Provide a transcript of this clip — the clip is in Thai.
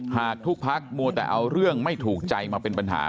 หากทุกพักมัวแต่เอาเรื่องไม่ถูกใจมาเป็นปัญหา